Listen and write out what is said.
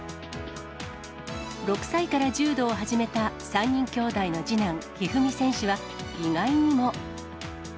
６歳から柔道を始めた３人兄妹の次男、一二三選手は、意外にも。